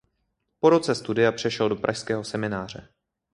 Po roce studia přešel do pražského semináře.